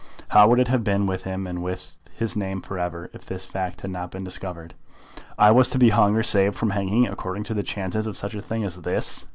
How would it have been with him and with his name for ever if this fact had not been discovered? "I was to be hung or saved from hanging according to the chances of such a thing as this!